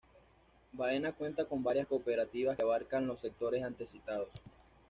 Baena cuenta con varias cooperativas que abarcan los sectores antes citados.